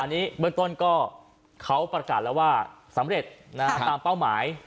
อันนี้เบื้องต้นก็เขาประกาศแล้วว่าสำเร็จตามเป้าหมาย